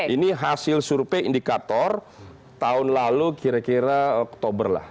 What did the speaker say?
ini hasil survei indikator tahun lalu kira kira oktober lah